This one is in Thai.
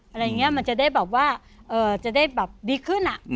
อะไรอย่างนี้มันจะได้แบบว่าจะได้แบบดีขึ้น